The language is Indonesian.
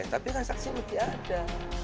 tapi kan saksi itu tidak ada